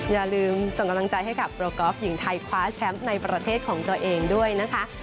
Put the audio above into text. อย่าลืมส่งกำลังใจให้กับโปรกอล์ฟหญิงไทยคว้าแชมป์ในประเทศของตัวเองด้วยนะคะ